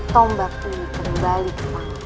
tombak ini terbalik